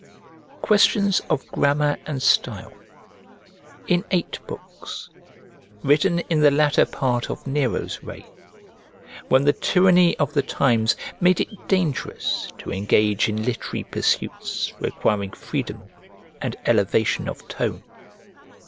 "Questions of Grammar and Style," in eight books, written in the latter part of Nero's reign, when the tyranny of the times made it dangerous to engage in literary pursuits requiring freedom and elevation of tone.